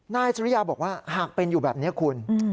นายสุริยาบอกว่าหากเป็นอยู่แบบนี้คุณ